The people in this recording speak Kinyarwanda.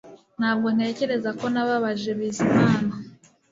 Ntabwo ntekereza ko nababaje Bizimana